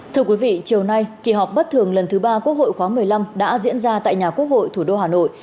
thưa quý vị chiều nay kỳ họp bất thường lần thứ ba quốc hội khóa một mươi năm đã diễn ra tại nhà quốc hội thủ đô hà nội